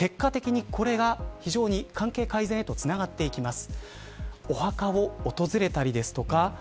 結果的にこれが非常に関係改善につながっていきます。